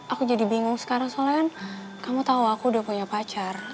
aku jadi bingung sekarang soalnya kan kamu tahu aku udah punya pacar